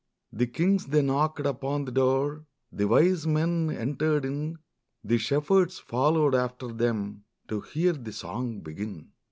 The kings they knocked upon the door, The wise men entered in, The shepherds followed after them To hear the song begin.